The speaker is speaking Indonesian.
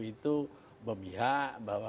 itu memihak bahwa